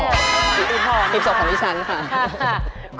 หีบห่อหีบศพของพี่ฉันค่ะ